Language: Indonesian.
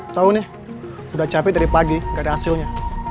tahu nih udah capek dari pagi gak ada hasilnya